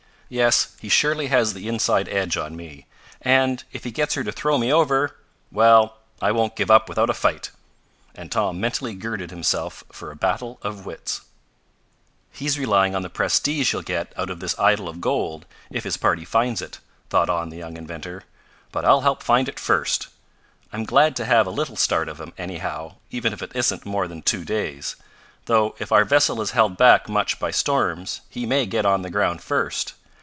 Yes, he surely has the inside edge on me, and if he gets her to throw me over Well, I won't give up without a fight!" and Tom mentally girded himself for a battle of wits. "He's relying on the prestige he'll get out of this idol of gold if his party finds it," thought on the young inventor. "But I'll help find it first. I'm glad to have a little start of him, anyhow, even if it isn't more than two days. Though if our vessel is held back much by storms he may get on the ground first.